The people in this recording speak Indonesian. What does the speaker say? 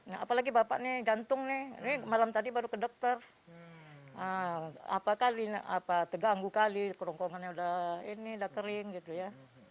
apalagi bapak ini gantung ini malam tadi baru ke dokter apakah terganggu kali kerongkongannya udah kering gitu ya